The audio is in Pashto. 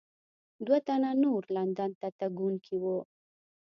دوه تنه نور لندن ته تګونکي وو.